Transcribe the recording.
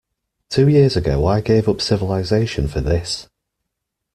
Two years ago I gave up civilization for this.